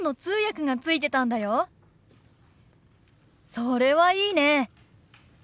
それはいいね。